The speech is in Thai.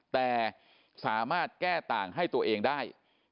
แต่สามารถแก้ต่างให้ตัวเองได้